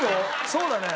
そうだね。